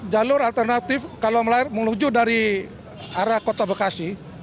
jalur alternatif kalau menuju dari arah kota bekasi